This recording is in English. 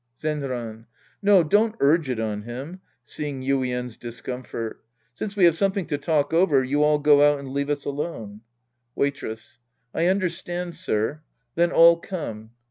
Zenran. No, don't urge it on him. {Seeing Yuien's discomfort^ Since we have something to talk over, you all go out and leave us alone. Waitress. I understand, sir. Then, all come.